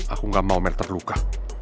aku nggak mau mel terluka